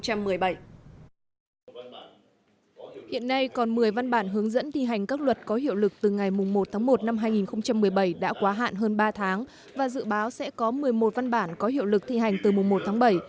hiện nay còn một mươi văn bản hướng dẫn thi hành các luật có hiệu lực từ ngày một tháng một năm hai nghìn một mươi bảy đã quá hạn hơn ba tháng và dự báo sẽ có một mươi một văn bản có hiệu lực thi hành từ mùa một tháng bảy